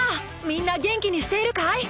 みんな元気にしているかい？